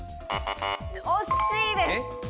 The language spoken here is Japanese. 惜しいです。